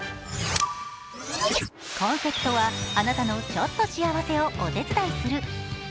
コンセプトは「あなたの“ちょっと幸せ”をお手伝いする」。